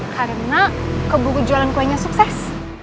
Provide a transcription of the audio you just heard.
karena keburu jualan kuenya sukses